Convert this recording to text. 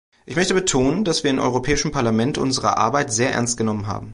Ich möchte betonen, dass wir im Europäischen Parlament unsere Arbeit sehr ernst genommen haben.